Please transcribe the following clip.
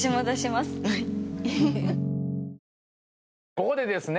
ここでですね